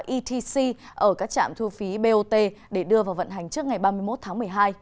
etc ở các trạm thu phí bot để đưa vào vận hành trước ngày ba mươi một tháng một mươi hai